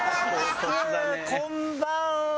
こんばんは。